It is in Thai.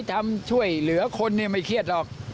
ทำช่วยเหลือคนไม่เครียดหรอก